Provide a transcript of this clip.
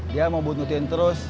dia mau bunuhin terus